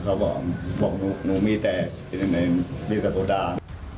เขาบอกหนูมีแต่สะโดดา